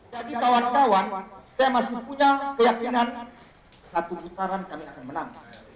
jadi kawan kawan saya masih punya keyakinan satu putaran kami akan menang